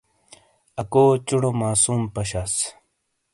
اکو چُنومعصوم پشاس۔